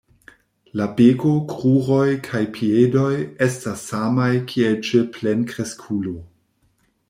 La beko, kruroj kaj piedoj estas samaj kiel ĉe plenkreskulo.